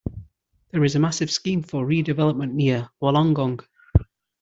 There is a massive scheme for redevelopment near Wollongong.